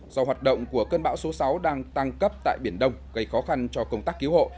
do hoạt động của cơn bão số sáu đang tăng cấp tại biển đông gây khó khăn cho công tác cứu hộ